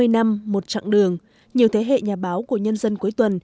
hai mươi năm một chặng đường nhiều thế hệ nhà báo của nhân dân cuối tuần